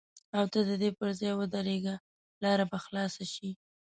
او ته د دې پر ځای ودرېږه لاره به خلاصه شي.